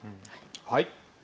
はい。